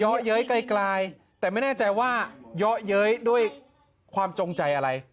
เย้ยไกลแต่ไม่แน่ใจว่าเยอะเย้ยด้วยความจงใจอะไร